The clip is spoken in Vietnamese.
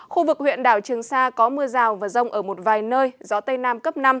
khu vực huyện đảo trường sa có mưa rào và rông ở một vài nơi gió tây nam cấp năm